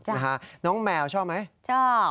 ใช่นะฮะน้องแมวชอบไหมชอบ